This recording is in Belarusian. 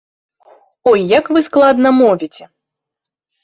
Ой, як вы складна мовіце!